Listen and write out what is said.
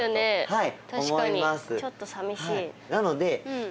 はい。